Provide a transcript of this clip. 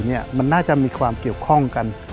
มันน่าจะมีความเกี่ยวข้องกัน